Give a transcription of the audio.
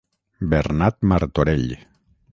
Bernat Martorell.